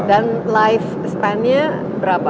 dan lifespan nya berapa